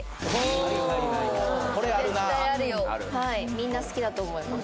みんな好きだと思います